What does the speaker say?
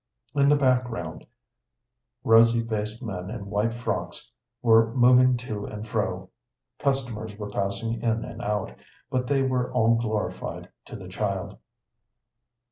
In the background rosy faced men in white frocks were moving to and fro, customers were passing in and out, but they were all glorified to the child.